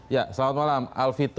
ya selamat malam alvito